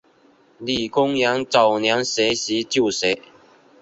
李根源早年学习旧学。